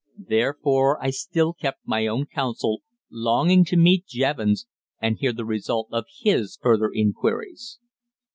Therefore I still kept my own counsel, longing to meet Jevons and hear the result of his further inquiries.